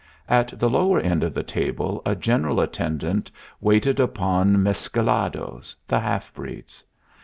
At the lower end of the table a general attendant wafted upon mesclados the half breeds.